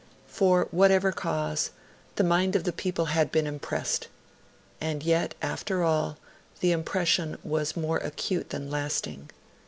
For whatever cause, the mind of the people had been impressed; and yet, after all, the impression was more acute than lasting.